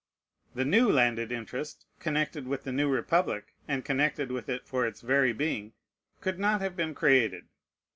The new landed interest connected with the new republic, and connected with it for its very being, could not have been created.